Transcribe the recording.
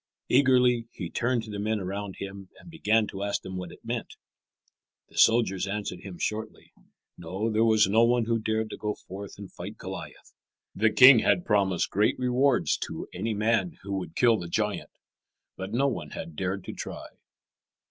Eagerly he turned to the men around him and began to ask them what it meant. The soldiers answered him shortly. No, there was no one who dared to go forth and fight Goliath. The king had promised great rewards to any man who would kill the giant. But no one had dared to try.